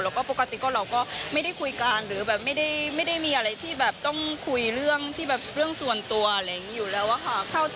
แล้วก็ปกติเราก็ไม่ได้คุยกันหรือไม่ได้มีอะไรที่ต้องคุยเรื่องส่วนตัวอยู่แล้วค่ะ